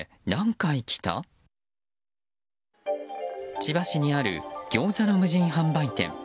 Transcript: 千葉市にあるギョーザの無人販売店。